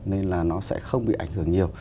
nên là nó sẽ không bị ảnh hưởng nhiều